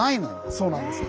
そうなんですよ。